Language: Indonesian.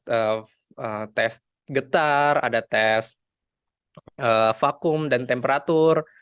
ada tes getar ada tes vakum dan temperatur